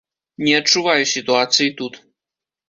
Не адчуваю сітуацыі тут.